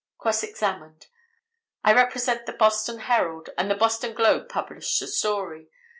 Cross examined—"I represent the Boston Herald, and the Boston Globe published the story.